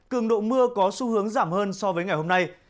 cường độ mưa có xu hướng giảm hơn so với ngày hôm nay